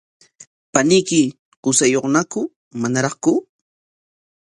¿Paniyki qusayuqñaku manaraqku?